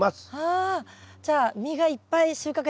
あ！じゃあ実がいっぱい収穫できる。